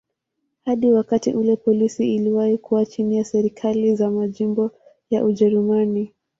Hadi wakati ule polisi iliwahi kuwa chini ya serikali za majimbo ya Ujerumani.